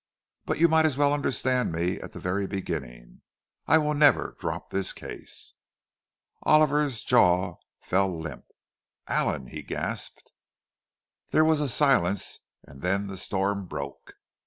But you might as well understand me at the very beginning—I will never drop this case." Oliver's jaw fell limp. "Allan!" he gasped. There was a silence; and then the storm broke.